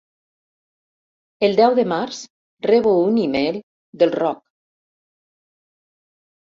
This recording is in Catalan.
El deu de març rebo un e-mail del Roc.